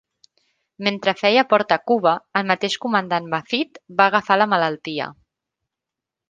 Mentre feia port a Cuba, el mateix comandant Maffitt va agafar la malaltia.